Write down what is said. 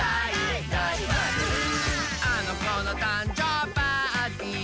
「あのこのたんじょうパーティー」